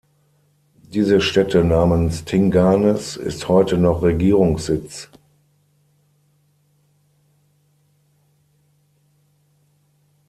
Diese Stätte namens Tinganes ist heute noch Regierungssitz.